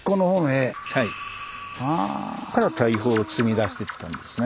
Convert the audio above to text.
から大砲を積み出してったんですね。